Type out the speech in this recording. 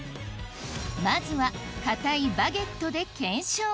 まずはかたいバゲットで検証